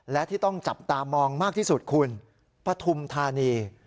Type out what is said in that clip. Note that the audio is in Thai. และที่ต้องจับตามองมากที่สุดคุณปฐุมธานี